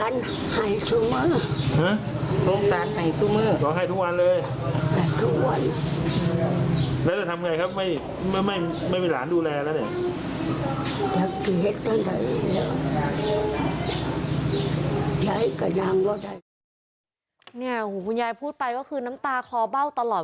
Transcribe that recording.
เนี่ยคุณยายพูดไปก็คือน้ำตาคลอเบ้าตลอด